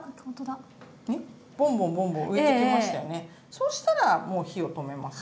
そうしたらもう火を止めます。